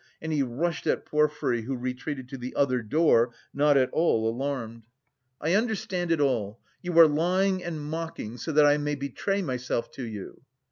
and he rushed at Porfiry who retreated to the other door, not at all alarmed. "I understand it all! You are lying and mocking so that I may betray myself to you..."